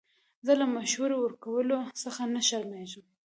زه له مشورې ورکولو څخه نه شرمېږم.